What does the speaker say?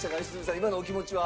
今のお気持ちは？